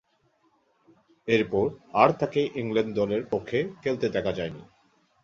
এরপর আর তাকে ইংল্যান্ড দলের পক্ষে খেলতে দেখা যায়নি।